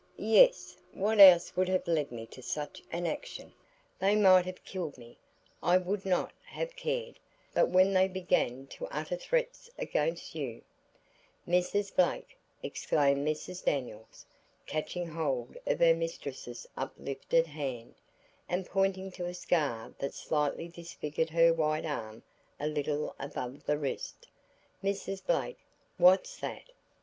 "Yes; what else would have led me to such an action? They might have killed me, I would not have cared, but when they began to utter threats against you " "Mrs. Blake," exclaimed Mrs. Daniels, catching hold of her mistress's uplifted hand, and pointing to a scar that slightly disfigured her white arm a little above the wrist, "Mrs. Blake, what's that?"